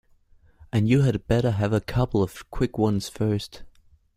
And you had better have a couple of quick ones first.